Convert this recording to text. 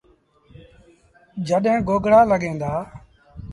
جڏهيݩ گوگڙآ لڳيٚن دآ